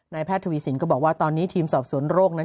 แพทย์ทวีสินก็บอกว่าตอนนี้ทีมสอบสวนโรคนั้น